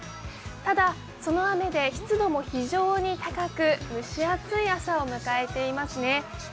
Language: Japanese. ただ、その雨で湿度も非常に高く、蒸し暑い朝を迎えていますね。